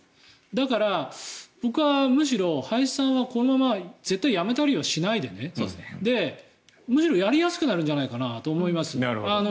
だから、僕はむしろ林さんはこのまま絶対辞めたりしないでむしろ、やりやすくなるんじゃないかと思います。